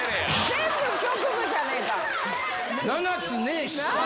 全部、局部じゃねえか。